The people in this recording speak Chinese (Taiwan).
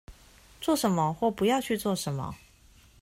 做什麼或不要去做什麼